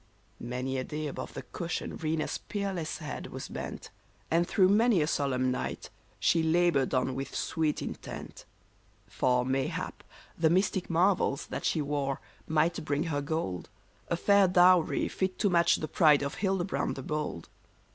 Many a day above the cushion Rena's peerless head was bent, And through many a solemn night she labored on with sweet intent. For, mayhap, the mystic marvels that she wove might bring her gold — A fair dowry fit to match the pride of Hildebrand the Bold